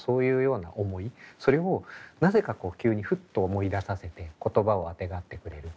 それをなぜか急にふっと思い出させて言葉をあてがってくれる。